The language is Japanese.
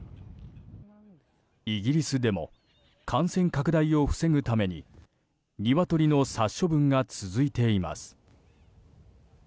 イギリスでも感染拡大を防ぐためにニワトリの殺処分が続いています。